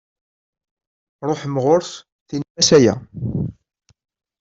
Ruḥem ɣur-s tinim-as aya.